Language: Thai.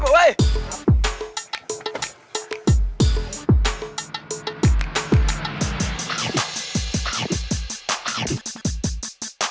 ไปเวลา